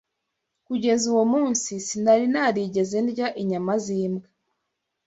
Kugeza uwo munsi, sinari narigeze ndya inyama z'imbwa.